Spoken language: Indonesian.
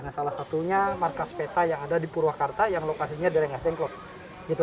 nah salah satunya markas peta yang ada di purwakarta yang lokasinya dari rengas dengklok